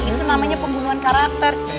itu namanya pembunuhan karakter